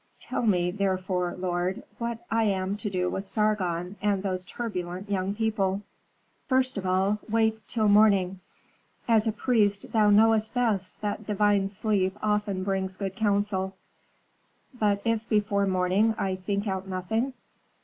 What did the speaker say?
Tell me, therefore, lord, what I am to do with Sargon and those turbulent young people." "First of all, wait till morning. As a priest, thou knowest best that divine sleep often brings good counsel." "But if before morning I think out nothing?"